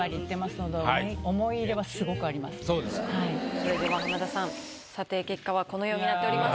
それでは浜田さん査定結果はこのようになっております。